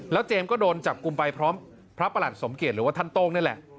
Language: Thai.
แล้วเจมส์ก็โดนจับกุมไปพร้อมพระประหลัดสมเกียรติศักดิ์หรือว่าทันโต้งนั่นแหละ